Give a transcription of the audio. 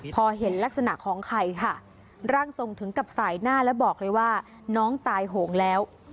พอเห็นลักษณะของใครค่ะร่างทรงถึงกับสายหน้าและบอกเลยว่าน้องตายโหงแล้ว